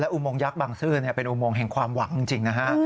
อุโมงยักษ์บางซื่อเป็นอุโมงแห่งความหวังจริงนะฮะ